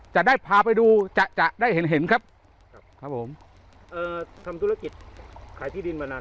จะได้พาไปดูจะจะได้เห็นเห็นครับครับผมเอ่อทำธุรกิจขายที่ดินมานาน